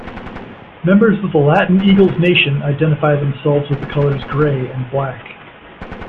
Members of the Latin Eagles Nation identify themselves with the colors grey and black.